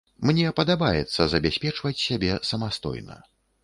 Мне падабаецца забяспечваць сябе самастойна.